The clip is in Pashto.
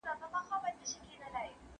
د مغولو کړني وروسته محلي حاکمان تعقيبوي.